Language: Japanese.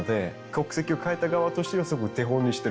国籍を変えた側としてすごく手本にしてるような。